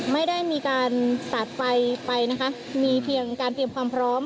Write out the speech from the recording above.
ไม่ได้มีการสาดไฟไปนะคะมีเพียงการเตรียมความพร้อม